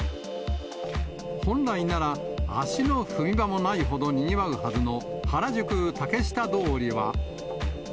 本来なら足の踏み場もないほどにぎわうはずの原宿・竹下通りは。